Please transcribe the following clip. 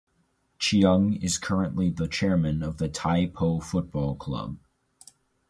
Cheung is currently the chairman of the Tai Po Football Club.